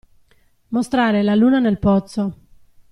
Mostrare la luna nel pozzo.